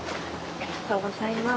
ありがとうございます。